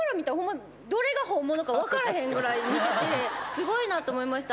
すごいなって思いました。